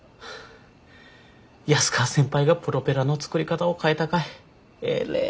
安川先輩がプロペラの作り方を変えたかいえれえ